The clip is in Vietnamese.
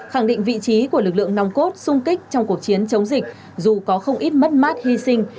khẳng định vị trí của lực lượng nòng cốt sung kích trong cuộc chiến chống dịch dù có không ít mất mát hy sinh